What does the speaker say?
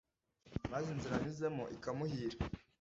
maze inzira anyuzemo ikamuhira